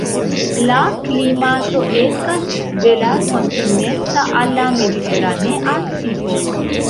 La klimato estas de la kontinenta al la mediteranea tipo.